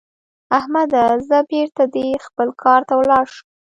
احمده؛ ځه بېرته دې خپل کار ته ولاړ شه.